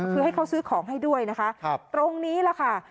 คือให้เขาซื้อของให้ด้วยนะคะตรงนี้แหละค่ะ